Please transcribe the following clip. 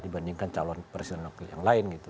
dibandingkan calon presiden wakil yang lain gitu